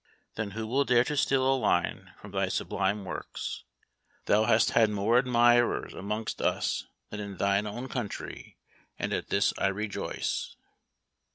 Then who will dare to steal a line from thy sublime works! Thou hast had more admirers amongst us than in thine own country, and at this I rejoice!"